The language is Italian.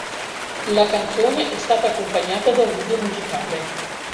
La canzone è stata accompagnata da un video musicale.